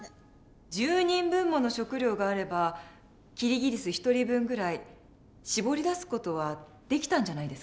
１０人分もの食料があればキリギリス１人分ぐらい搾り出す事はできたんじゃないですか？